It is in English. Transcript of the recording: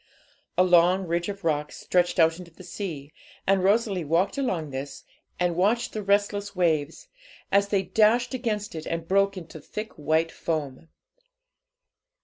A long ridge of rocks stretched out into the sea, and Rosalie walked along this, and watched the restless waves, as they dashed against it and broke into thick white foam.